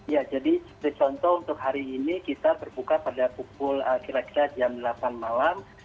ya jadi contoh untuk hari ini kita berbuka pada pukul kira kira jam delapan malam